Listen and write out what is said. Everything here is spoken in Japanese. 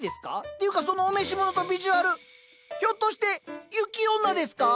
っていうかそのお召し物とビジュアルひょっとして雪女ですか？